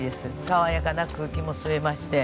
爽やかな空気も吸えまして。